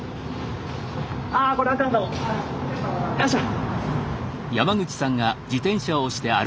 よいしょ！